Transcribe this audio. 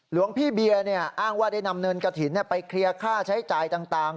หลวงพี่เบียร์อ้างว่าได้นำเงินกระถิ่นไปเคลียร์ค่าใช้จ่ายต่าง